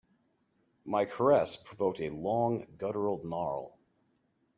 My caress provoked a long, guttural gnarl.